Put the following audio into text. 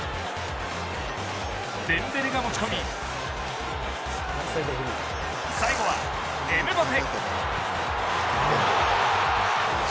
デンベレが持ち込み最後はエムバペ。